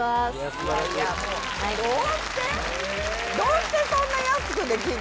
どうしてそんな安くできるの？